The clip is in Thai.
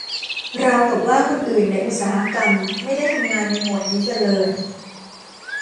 ราวกับว่าคนอื่นในอุตสาหกรรมไม่ได้ทำงานในโหมดนี้กันเลย